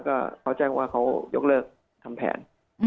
ก็เขาแจ้งว่าเขายกเลิกทำแผน